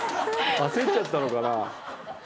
焦っちゃったのかな。